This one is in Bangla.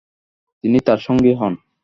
তিনি তার সঙ্গী হন।